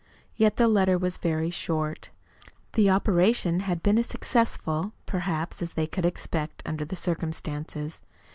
Yet the letter was very short. The operation had been as successful, perhaps, as they could expect, under the circumstances.